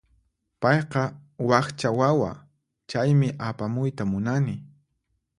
Payqa wakcha wawa, chaymi apamuyta munani.